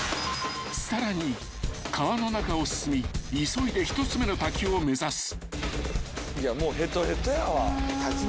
［さらに川の中を進み急いで１つ目の滝を目指す］